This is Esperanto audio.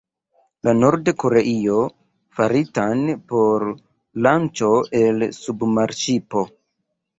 La Nord-Koreio faritan por lanĉo el submarŝipo.